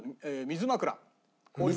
水枕。